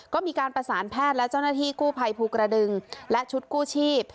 ก็มีการประสานแพทย์และเจ้าหน้าที่กู้ภัยภูกระดึงและชุดกู้ชีพ